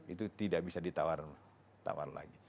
itu tidak bisa ditawar lagi